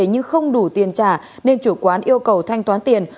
nhưng không đủ tiền trả nên chủ quán yêu cầu thanh toán tiền